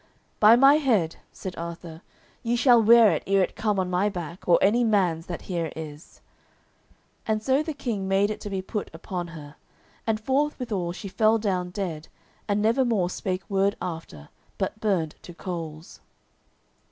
"By my head," said Arthur, "ye shall wear it ere it come on my back, or any man's that here is." And so the King made it to be put upon her, and forthwithal she fell down dead, and nevermore spake word after, but burned to coals.